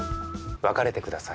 別れてください。